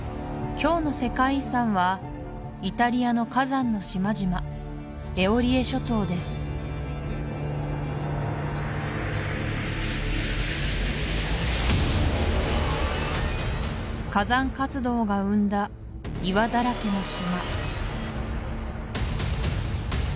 今日の世界遺産はイタリアの火山の島々エオリエ諸島です火山活動が生んだ岩だらけの島